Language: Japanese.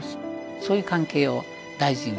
そういう関係を大事に。